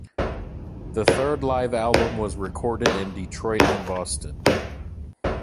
The third live album was recorded in Detroit and Boston.